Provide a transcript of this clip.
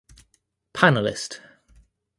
Panelist.